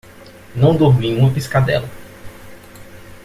Não dormi uma piscadela